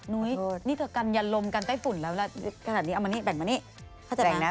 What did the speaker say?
นุ้ยนี่เธอกันยันลมกันไต้ฝุ่นแล้วล่ะเอามานี่แบ่งมานี่แบ่งนะ